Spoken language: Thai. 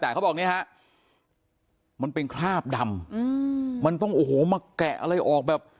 แต่เขาบอกเนี่ยฮะมันเป็นคราบดำมันต้องโอ้โหมาแกะอะไรออกแบบ